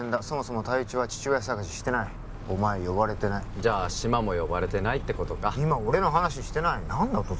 そもそも隊長は父親探ししてないお前呼ばれてないじゃあ志摩も呼ばれてないってことか今俺の話してない何だ